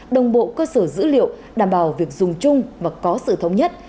đồng bộ cơ sở dữ liệu đảm bảo việc dùng chung và có sự thống nhất